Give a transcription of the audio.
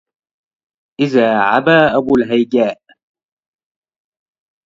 إذا عبا أبو الهيجاء